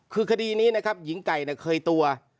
คือคดีนี้นะครับหญิงไก่เคยตัว